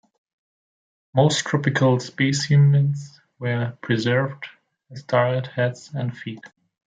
Most tropical specimens were preserved as dried heads and feet.